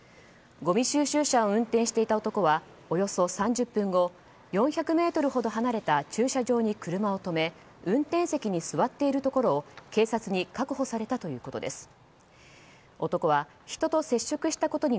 ごみ収集車を運転していた男はおよそ３０分後４００ｍほど離れた駐車場に車を止め運転席に座っているところを警察に確保されたということです。